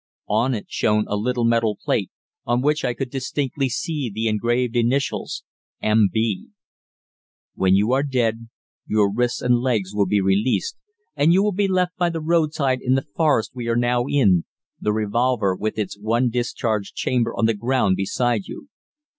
On it shone a little metal plate on which I could distinctly see the engraved initials "M.B." "When you are dead, your wrists and legs will be released, and you will be left by the roadside in the forest we are now in, the revolver, with its one discharged chamber, on the ground beside you.